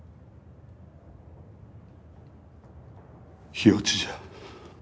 火落ちじゃ。